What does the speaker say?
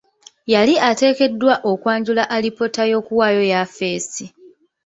Yali ateekeddwa okwanjula alipoota y'okuwaayo yafesi.